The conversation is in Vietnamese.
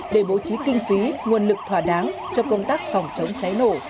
để bố trí kinh phí nguồn lực thỏa đáng cho công tác phòng chống cháy nổ